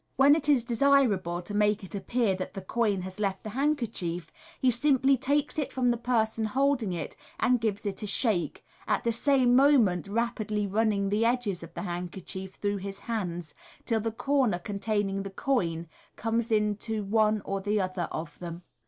When it is desirable to make it appear that the coin has left the handkerchief, he simply takes it from the person holding it, and gives it a shake, at the same moment rapidly running the edges MODERN MAGIC, iQJ of the handkerchief through his hands, till the corner containing the coin comes into one or the other of them.